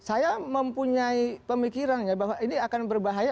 saya mempunyai pemikirannya bahwa ini akan berbahaya